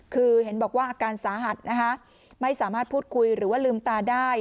คือเห็นบอกว่าอาการสาหัสนะคะไม่สามารถพูดคุยหรือว่าลืมตาได้